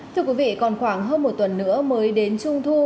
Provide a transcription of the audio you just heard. thưa quý vị còn khoảng hơn một tuần nữa mới đến trung thu